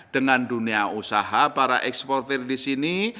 dengan dunia usaha para eksportir di sini